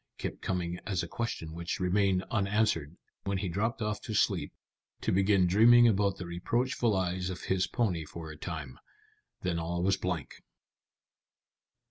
kept coming as a question which remained unanswered when he dropped off to sleep, to begin dreaming about the reproachful eyes of his pony for a time. Then all was blank.